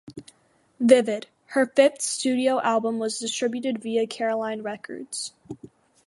"Vivid", her fifth studio album was distributed via Caroline Records.